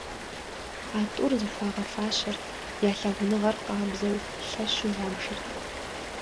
А тӏур зыхуагъэфащэрт, я лъагъуныгъэр къабзэу, лъэщу ябжырт.